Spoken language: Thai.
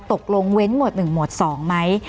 ตกลงเว้นหมวด๑หมวด๒ไหม